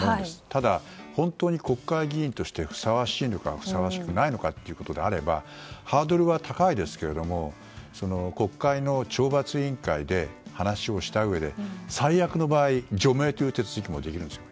ただ本当に国会議員としてふさわしいのかふさわしくないのかということであればハードルは高いですけれども国会の懲罰委員会で話をしたうえで最悪の場合、除名という手続きもできます。